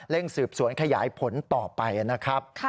สืบสวนขยายผลต่อไปนะครับ